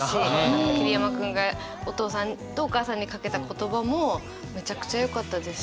桐山君がお父さんとお母さんにかけた言葉もめちゃくちゃよかったですし